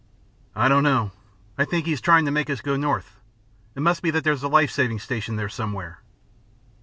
"I don't know. I think he is trying to make us go north. It must be that there's a life saving station there somewhere."